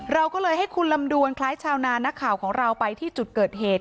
เราก็เลยให้คุณลำดวนคล้ายชาวนานักข่าวของเราไปที่จุดเกิดเหตุ